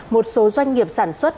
một số doanh nghiệp sản xuất